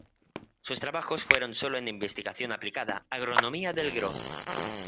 Sus trabajos fueron solo en investigación aplicada: agronomía del gro.